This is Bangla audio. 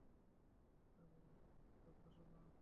চুপচাপ আমার কথা শোনো।